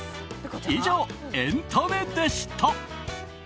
以上、エンたねでした。